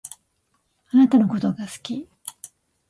あなたのことが好き